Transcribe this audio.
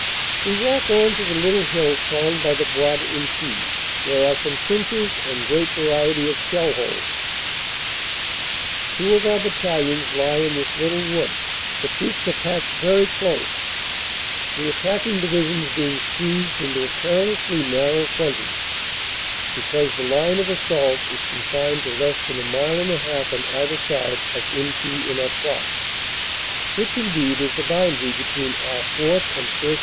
We walk on to the little hill crowned by the Bois d Inchy, where are some trenches and great variety of shell holes. Two of our battalions lie in this little wood. The troops are packed very close, the attacking divisions being squeezed into a perilously narrow frontage, because the line of assault is confined to less than a mile and a half on either side of Inchy en Artois, which indeed is the boundary between our 4th. and 1st.